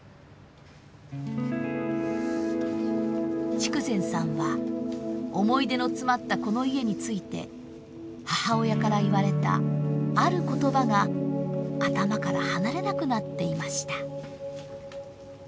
筑前さんは思い出の詰まったこの家について母親から言われたある言葉が頭から離れなくなっていました。